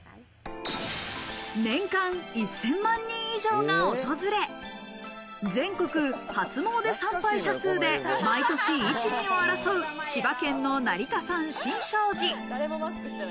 年間１０００万人以上が訪れ、全国初詣参拝者数で毎年１、２を争う千葉県の成田山新勝寺。